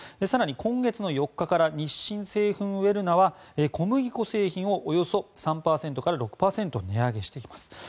更に今月４日から日清製粉ウェルナは小麦粉製品をおよそ３％から６％値上げしています。